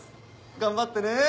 頑張ってね！